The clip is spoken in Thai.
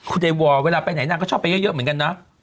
คุณไอวอลเวลาไปไหนนางก็ชอบไปเยอะเหมือนกันนะ